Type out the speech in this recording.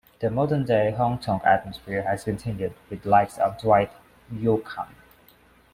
The modern-day, honk-tonk atmosphere has continued, with likes of Dwight Yoakam.